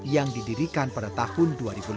yang didirikan pada tahun dua ribu lima belas